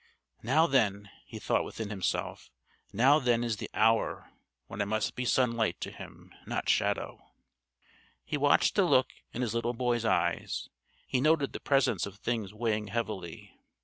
"Now then," he thought within himself, "now then is the hour when I must be sunlight to him not shadow!" He watched the look in his little boy's eyes; he noted the presence of things weighing heavily.